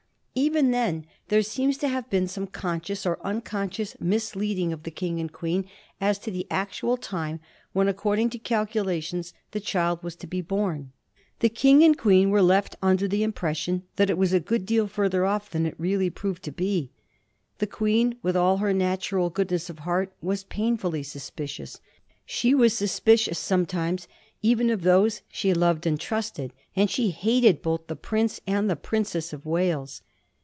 Even then there seems to have been some con scious or unconscious misleading of the King and Queen as to the actual time when according to calculations the child was to be bom. The King and Queen were left under the impression that it was a good deal further off than it really proved to be. The Queen, with all her nat ural goodness of heart, was painfully suspicious. She was suspicious sometimes even of those she loved and trusted; and she hated both the Prince and the Princess of Wales.